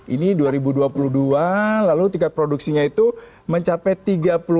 ini dua ribu dua puluh dua lalu tingkat produksinya itu mencapai tiga puluh lima